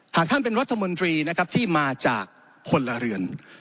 หากท่านเป็นรัฐมนตรีที่มาจากคนละเรือน